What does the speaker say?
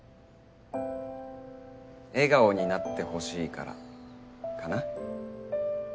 笑顔になってほしいからかな。